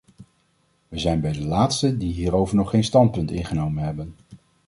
Wij zijn bijna de laatsten die hierover nog geen standpunt ingenomen hebben.